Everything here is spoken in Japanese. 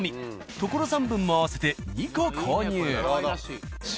所さん分も合わせて２個購入。